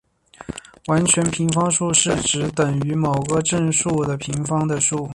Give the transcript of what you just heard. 完全平方数是指等于某个正整数的平方的数。